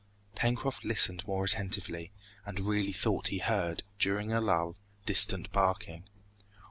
Pencroft listened more attentively, and really thought he heard, during a lull, distant barking.